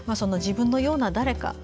「自分のような誰か」